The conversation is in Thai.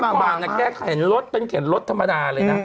เมื่อก่อนแกแขนรถเป็นแขนรถธรรมดาเลยนะ